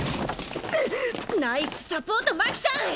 ナイスサポート真希さん！